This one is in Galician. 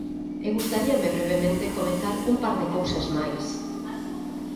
E gustaríame brevemente comentar un par de cousas máis.